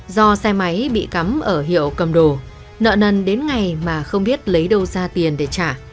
do xe máy bị cắm ở hiệu cầm đồ nợ nần đến ngày mà không biết lấy đâu ra tiền để trả